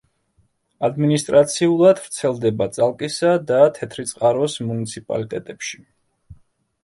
ადმინისტრაციულად ვრცელდება წალკისა და თეთრიწყაროს მუნიციპალიტეტებში.